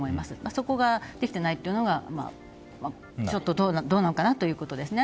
そこがでてきていないのがちょっとどうなのかなということですね。